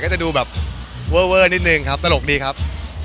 จะดูแบบเวอร์นิดนึงครับตลกดีครับ